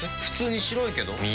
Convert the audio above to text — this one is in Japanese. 普通に白いけど。